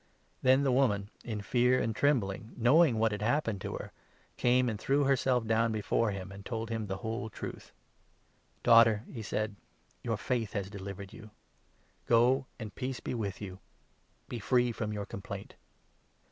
Then the 32, woman, in fear and trembling, knowing what had happened to her, came and threw herself down before him, and told him the whole truth. " Daughter," he said, "your faith has delivered you. Go, 34 .and peace be with you ; be free from your complaint."